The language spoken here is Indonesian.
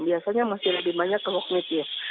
biasanya masih lebih banyak ke kognitif